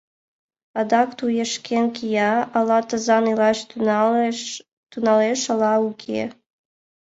Адак туешкен кия, ала тазан илаш тӱҥалеш, ала уке...